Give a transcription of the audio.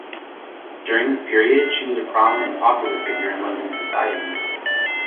During this period, she was a prominent and popular figure in London society.